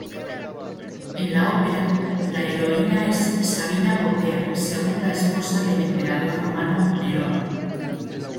En la ópera, la heroína es Sabina Popea, segunda esposa del Emperador romano Nerón.